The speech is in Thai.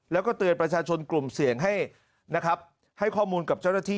แล้วก็เตือนประชาชนกลุ่มเสี่ยงให้นะครับให้ข้อมูลกับเจ้าหน้าที่